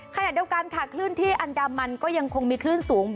ขณะเดียวกันค่ะคลื่นที่อันดามันก็ยังคงมีคลื่นสูง